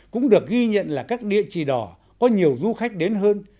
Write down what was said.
cũng được ghi nhận là các địa chỉ đỏ có nhiều du khách đến hơn